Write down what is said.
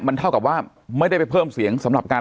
มันเท่ากับว่าไม่ได้ไปเพิ่มเสียงสำหรับการ